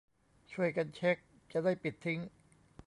ช่วยกันเช็ค จะได้ปิดทิ้ง